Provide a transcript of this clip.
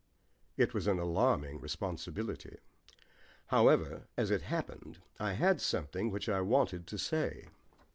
It was an alarming responsibility. However, as it happened, I had something which I wanted to say.